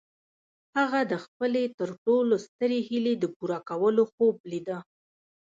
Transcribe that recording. هغه د خپلې تر ټولو سترې هيلې د پوره کولو خوب ليده.